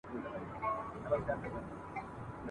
ما مي خپل پانوس ته بوزې په لمبو کي مي ایسار کې ..